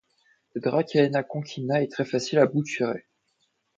Le Dracaena concinna est très facile à bouturer.